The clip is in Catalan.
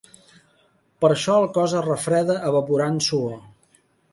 Per això el cos es refreda evaporant suor.